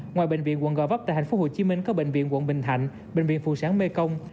ngoài bệnh viện quận gò vấp tại thành phố hồ chí minh có bệnh viện quận bình thạnh bệnh viện phù sáng mê công